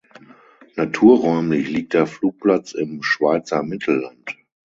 Naturräumlich liegt der Flugplatz im Schweizer Mittelland.